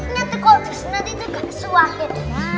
nanti kok nanti juga suahin